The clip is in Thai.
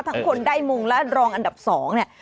คนได้มุงและรองอันดับ๒เนี่ย